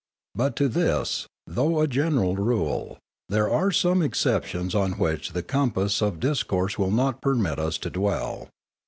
But to this, though a general rule, there are some exceptions on which the compass of this discourse will not permit us to dwell.